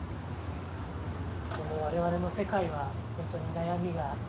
でも我々の世界はほんとに悩みが。